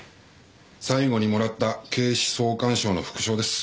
最後にもらった警視総監賞の副賞です。